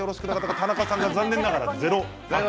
田中さんは残念ながらゼロ。